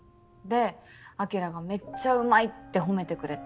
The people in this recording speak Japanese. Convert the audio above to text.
で晶がめっちゃうまいって褒めてくれて。